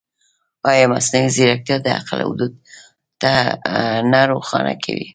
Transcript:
ایا مصنوعي ځیرکتیا د عقل حدود نه روښانه کوي؟